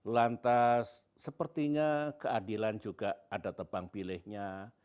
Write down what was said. lantas sepertinya keadilan juga ada tebang pilihnya